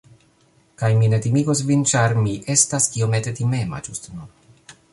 Kaj mi ne timigos vin ĉar mi estas iomete timema ĝuste nun.